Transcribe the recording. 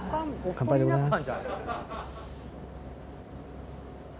乾杯でございます。